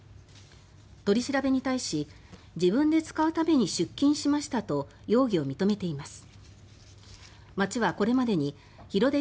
取り調べに対し「自分で使うために出金しました」と容疑を認めています。